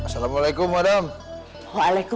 pasti rasanya udah nunggu israel